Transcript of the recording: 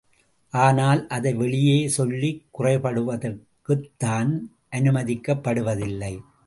ஆனால் அதை வெளியே சொல்லிக் குறைப்படுவதற்குத்தான் அனுமதிக்கப் படுவதில்லை!